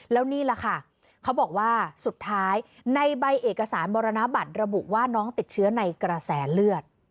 แล้วนี่แหละค่ะเขาบอกว่าสุดท้ายในใบเอกสารมรณบัตรระบุว่าน้องติดเชื้อในกระแสเลือด